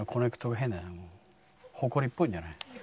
ほこりっぽいんじゃない？